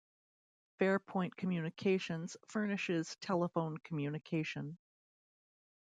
FairPoint Communications furnishes telephone communication.